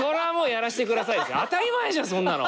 当たり前じゃんそんなの。